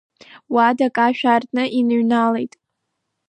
Уадак ашә аартны иныҩналеит.